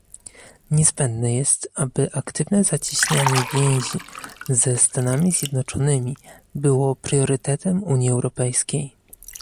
Niezbędne jest, aby aktywne zacieśnianie więzi ze Stanami Zjednoczonymi było priorytetem Unii Europejskiej